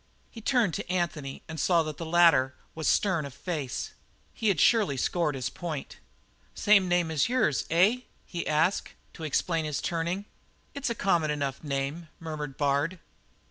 He turned to Anthony and saw that the latter was stern of face. He had surely scored his point. "Same name as yours, eh?" he asked, to explain his turning. "It's a common enough name," murmured Bard.